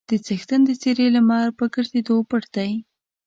د څښتن د څېرې لمر په ګرځېدو پټ دی.